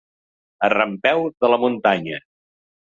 A rampeu de la muntanya.